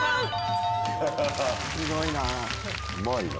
すごいな。